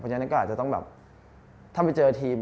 ฉะนั้นก็อาจจะต้องแบบถ้าไปเจอทีม